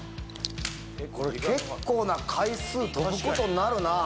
結構な回数跳ぶことになるなぁ。